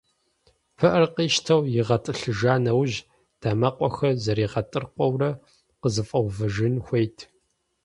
ПыӀэр къищтэу игъэтӀылъыжа нэужь, дамэкъуэхэр зэригъэтӀыркъыурэ къызэфӀэувэжын хуейт.